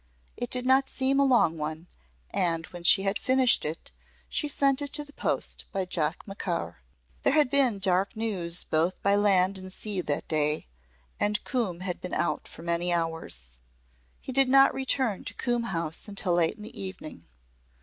It did not seem a long one and when she had finished it she sent it to the post by Jock Macaur. There had been dark news both by land and sea that day, and Coombe had been out for many hours. He did not return to Coombe House until late in the evening.